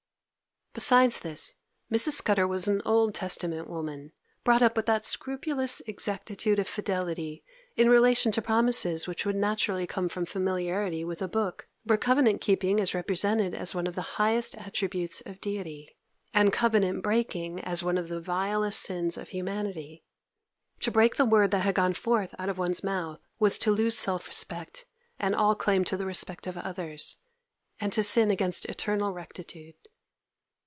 Beside this, Mrs. Scudder was an Old Testament woman, brought up with that scrupulous exactitude of fidelity in relation to promises which would naturally come from familiarity with a book where covenant keeping is represented as one of the highest attributes of Deity, and covenant breaking as one of the vilest sins of humanity. To break the word that had gone forth out of one's mouth was to lose self respect and all claim to the respect of others, and to sin against eternal rectitude.